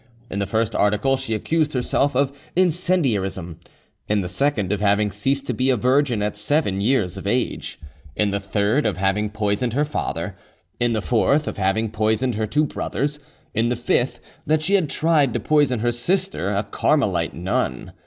In the first article she accused herself of incendiarism; In the second, of having ceased to be a virgin at seven years of age; In the third of having poisoned her father; In the fourth, of having poisoned her two brothers; In the fifth, that she had tried to poison her sister, a Carmelite nun.